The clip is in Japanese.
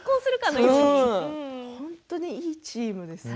本当にいいチームですね。